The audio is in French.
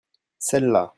Celles-là.